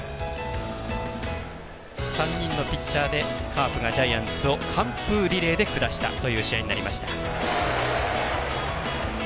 ３人のピッチャーでカープがジャイアンツを完封リレーで下したという試合になりました。